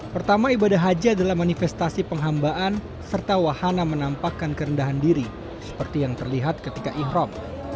pertama ibadah haji adalah manifestasi penghambaan serta wahana menampakkan kerendahan diri seperti yang terlihat ketika ihram